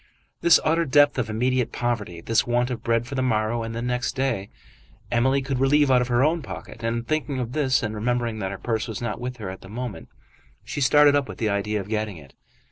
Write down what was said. This utter depth of immediate poverty, this want of bread for the morrow and the next day, Emily could relieve out of her own pocket. And, thinking of this and remembering that her purse was not with her at the moment, she started up with the idea of getting it.